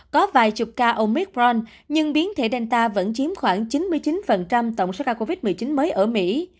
có vài chục ca ôngicron nhưng biến thể danta vẫn chiếm khoảng chín mươi chín tổng số ca covid một mươi chín mới ở mỹ